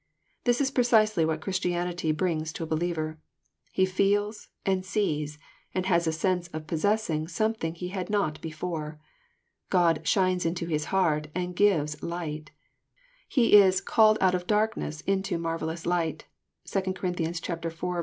This is precisely what Christianity brings to a believer. He feels, and sees, and has a sense of possessing something he had not before. God '* shines into his heart and givesl ight." He is '< called out of darkness into marvellous light." (2 Cor. iv.